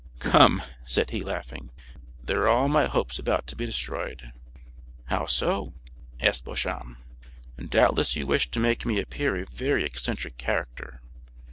"Come," said he, laughing, "there are all my hopes about to be destroyed." "How so?" asked Beauchamp. "Doubtless you wish to make me appear a very eccentric character.